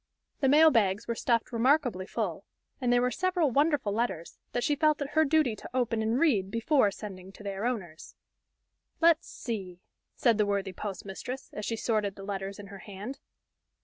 The mail bags were stuffed remarkably full, and there were several wonderful letters, that she felt it her duty to open and read before sending to their owners. "Let's see," said the worthy postmistress, as she sorted the letters in her hand.